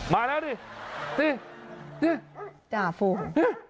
มาแล้วดิสิจ่าฝูง